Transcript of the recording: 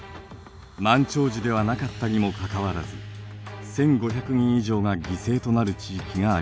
満潮時ではなかったにもかかわらず１，５００人以上が犠牲となる地域がありました。